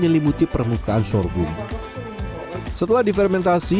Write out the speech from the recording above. kita tidak perlu pakai ragi